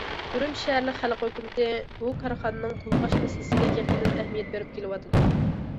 ئۈرۈمچى شەھەرلىك خەلق ھۆكۈمىتى بۇ كارخانىنىڭ بۇلغاش مەسىلىسىگە يېقىندىن ئەھمىيەت بېرىپ كېلىۋاتىدۇ.